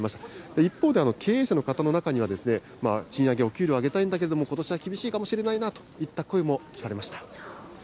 一方で経営者の方の中には、賃上げ、お給料上げたいんだけれども、ことしは厳しいかもしれないなといった声も聞かれました。